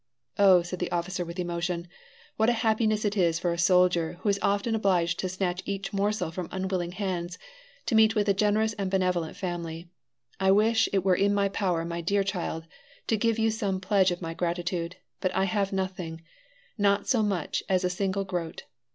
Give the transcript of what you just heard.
"Oh," said the officer, with emotion, "what a happiness it is for a soldier, who is often obliged to snatch each morsel from unwilling hands, to meet with a generous and benevolent family! I wish it were in my power, my dear child, to give you some pledge of my gratitude, but I have nothing not so much as a single groat.